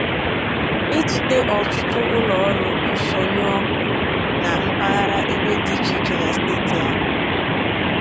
itute ọtụtụ ụlọọrụ nsọnyụ ọkụ na mpaghara ebe dị iche iche na steeti ahụ